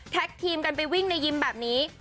ทีมกันไปวิ่งในยิมแบบนี้